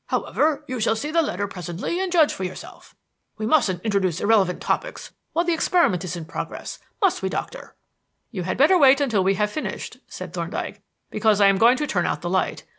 "However, you shall see the letter presently and judge for yourself. We mustn't introduce irrelevant topics while the experiment is in progress, must we, Doctor?" "You had better wait until we have finished," said Thorndyke, "because I am going to turn out the light.